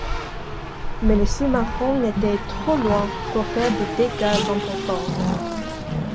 Mais le sous-marin était trop loin pour faire des dégâts importants.